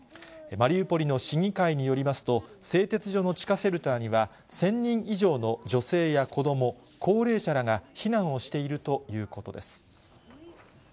マリウポリの市議会によりますと、製鉄所の地下シェルターには、１０００人以上の女性や子ども、高齢者らが避難をしているということです。